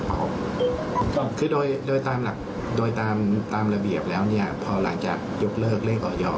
ที่นี่ถ้าถามต่อว่าผลิตภัณฑ์ตัวนี้